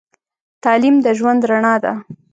تعليم د ژوند رڼا ده.